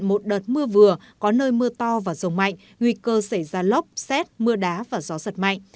một đợt mưa vừa có nơi mưa to và rông mạnh nguy cơ xảy ra lốc xét mưa đá và gió giật mạnh